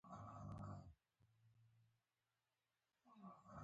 د نرمې ی د مخه توري ته باید زور ورکړو.